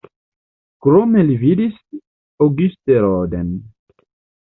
Krome li vidis Auguste Rodin.